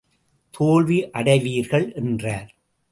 தோல்வி அடைவீர்கள் என்றார்.